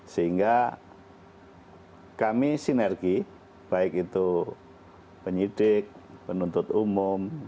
sehingga kami sinergi baik itu penyidik penuntut umum